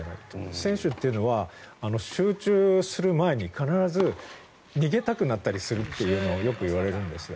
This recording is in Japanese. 選手というのは集中する前に必ず逃げたくなったりするってよく言われるんですよ。